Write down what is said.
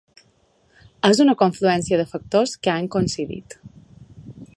És una confluència de factors que han coincidit.